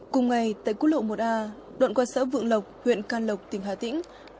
cùng ngày tại quốc lộ một a đoạn quán sở vượng lộc huyện can lộc tỉnh hà tĩnh